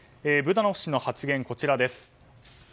ブダノフ氏の発言です。